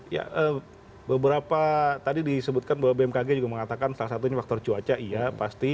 ya beberapa tadi disebutkan bahwa bmkg juga mengatakan salah satunya faktor cuaca iya pasti